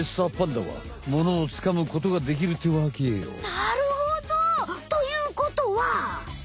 なるほど！ということは？